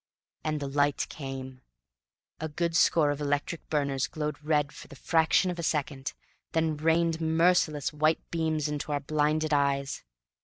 And the light came! A good score of electric burners glowed red for the fraction of a second, then rained merciless white beams into our blinded eyes.